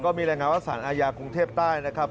มีรายงานว่าสารอาญากรุงเทพใต้นะครับ